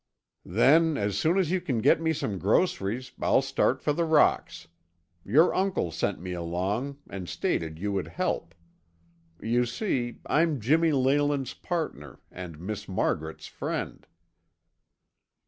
"Then, as soon as you can get me some groceries, I'll start for the rocks. Your uncle sent me along and stated you would help. You see, I'm Jimmy Leyland's partner and Miss Margaret's friend."